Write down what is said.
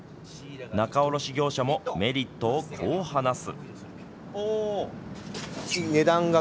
仲卸業者もメリットをこう話す。